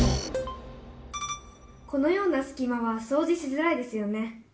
「このようなすき間はそうじしづらいですよね。